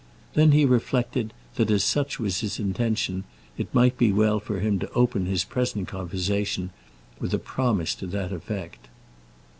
Then he reflected that as such was his intention, it might be well for him to open his present conversation with a promise to that effect.